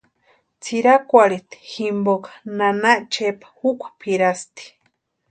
Tsʼirakwarhita jimponha nana Chepa jukwa pʼirasti.